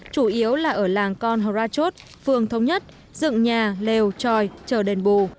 chủ yếu là ở làng con horachot phường thống nhất dựng nhà lều tròi chờ đền bù